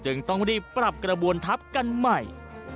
ต้องรีบปรับกระบวนทัพกันใหม่